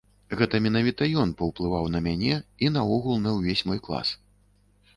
Гэта менавіта ён паўплываў на мяне і, наогул, на ўвесь мой клас.